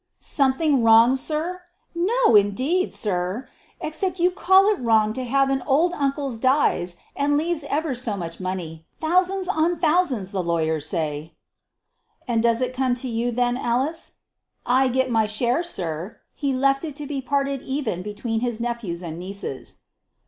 "Something wrong, sir! No, indeed, sir! Except you call it wrong to have an old uncle 's dies and leaves ever so much money thousands on thousands, the lawyers say." "And does it come to you then, Alice?" "I get my share, sir. He left it to be parted even between his nephews and nieces."